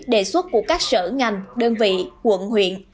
đề xuất của các sở ngành đơn vị quận huyện